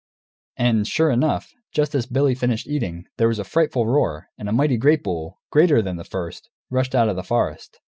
And, sure enough, just as Billy finished eating, there was a frightful roar, and a mighty great bull, greater than the first, rushed out of the forest.